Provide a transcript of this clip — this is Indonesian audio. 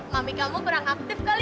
mami kamu kurang aktif sekali